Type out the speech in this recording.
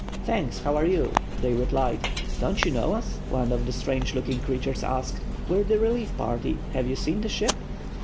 "Thanks; how are you?" they replied. "Don't you know us?" one of the strange looking creatures asked. "We're the relief party. Have you seen the ship?"